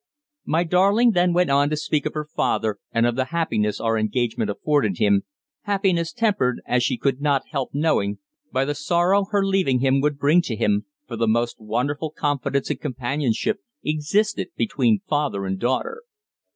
My darling then went on to speak of her father and of the happiness our engagement afforded him, happiness tempered, as she could not help knowing, by the sorrow her leaving him would bring to him, for the most wonderful confidence and companionship existed between father and daughter.